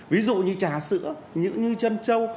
ví dụ như trà sữa như chân trâu